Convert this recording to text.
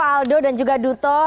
aldo dan juga duto